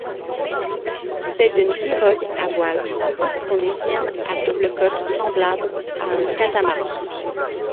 C'est une pirogue à voile austronésienne à double coque semblable à un catamaran.